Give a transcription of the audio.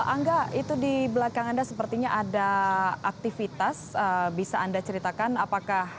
angga itu di belakang anda sepertinya ada aktivitas bisa anda ceritakan apakah